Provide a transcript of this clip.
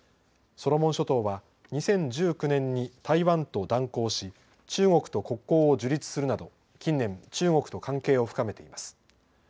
ソロモン諸島は２０１９年に台湾と断交し中国と国交を樹立するなど近年、中国と関係を深めています。